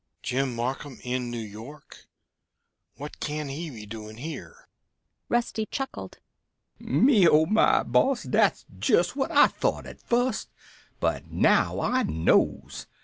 "Jim Marcum in New York? What can he be doing here?" Rusty chuckled. "Me oh my, boss, but dat's jest what I thought at fust. But now I knows.